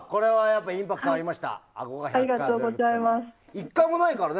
１回もないからね